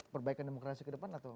perbaikan demokrasi kedepan atau